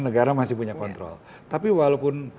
negara masih punya kontrol tapi walaupun